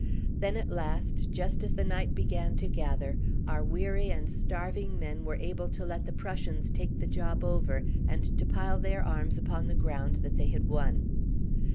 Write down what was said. Then at last, just as the night began to gather, our weary and starving men were able to let the Prussians take the job over, and to pile their arms upon the ground that they had won.